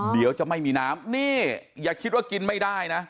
เดี๋ยวจะไม่มีน้ำนี่อย่าคิดว่ากินไม่ได้นะ